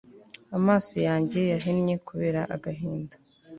amaso yanjye yahennye kubera agahinda